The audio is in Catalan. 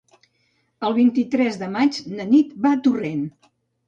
El vint-i-tres de maig na Nit va a Torrent.